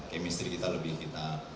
kemistri kita lebih kita